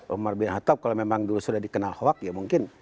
umar bin khattab kalau memang dulu sudah dikenal hoax ya mungkin